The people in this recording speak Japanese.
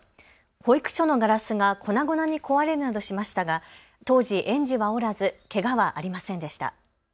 保育所のガラスが粉々に壊れるなどしましたが当時、園児はおらずけがはありませんでした。